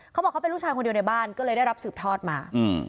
เขาบอกเขาเป็นลูกชายคนเดียวในบ้านก็เลยได้รับสืบทอดมา